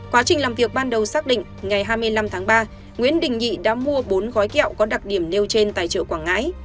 quá trình làm việc ban đầu xác định ngày hai mươi năm tháng ba nguyễn đình nhị đã mua bốn gói kẹo có đặc điểm nêu trên tại chợ quảng ngãi